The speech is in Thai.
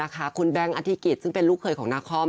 คุณแบงค์อธิกิจซึ่งเป็นลูกเคยของนาคอม